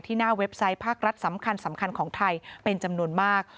หน้าเว็บไซต์ภาครัฐสำคัญของไทยเป็นจำนวนมาก